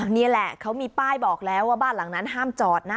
นี่แหละเขามีป้ายบอกแล้วว่าบ้านหลังนั้นห้ามจอดนะ